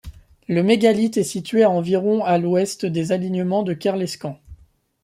Le mégalithe est situé à environ à l'ouest des alignements de Kerlescan.